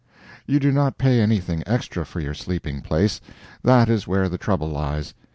You do not pay anything extra for your sleeping place; that is where the trouble lies.